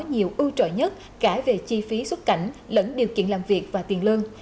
hiệu ưu trò nhất cả về chi phí xuất cảnh lẫn điều kiện làm việc và tiền lương